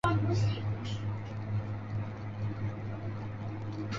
晚清早期的期刊多半是教会期刊。